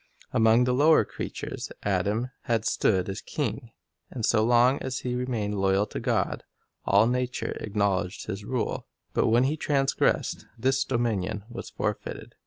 Among the lower creatures Adam had stood as king, and so long as he remained loyal to God, all nature acknowledged his rule; but when he transgressed, this dominion was forfeited.